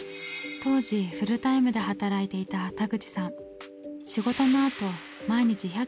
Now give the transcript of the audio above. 当時フルタイムで働いていた田口さん。